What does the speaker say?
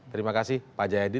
terima kasih pak jayadi